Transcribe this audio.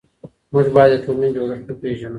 موږ بايد د ټولني جوړښت وپيژنو.